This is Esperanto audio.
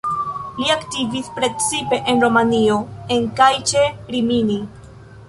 Li aktivis precipe en Romanjo, en kaj ĉe Rimini.